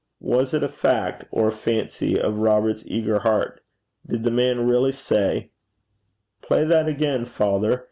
Was it a fact, or a fancy of Robert's eager heart? Did the man really say, 'Play that again, father.